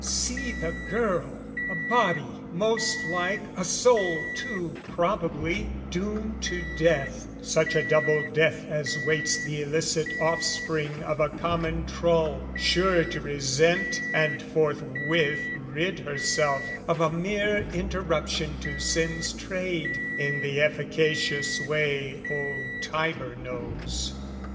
See the girl! A body most like a soul too probably Doomed to death, such a double death as waits The illicit offspring of a common trull, Sure to resent and forthwith rid herself Of a mere interruption to sin's trade, In the efficacious way old Tiber knows.